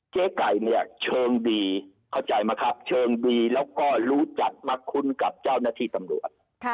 เจ๊ไก่เนี่ยเชิงดีเข้าใจไหมครับเชิงดีแล้วก็รู้จักมาคุ้นกับเจ้าหน้าที่ตำรวจ